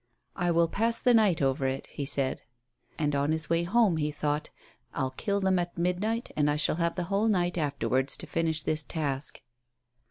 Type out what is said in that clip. " I will pass the night over it," he said. And on his way home he thought, " I'll kill them at midnight, and I shall have the whole night afterwards to finish this task."